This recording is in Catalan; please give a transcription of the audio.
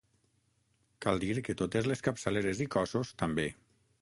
Cal dir que totes les capçaleres i cossos també.